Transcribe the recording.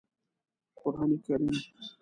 قرآن کریم